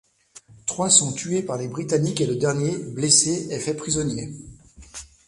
Trois sont tués par les Britanniques et le dernier, blessé est fait prisonnier.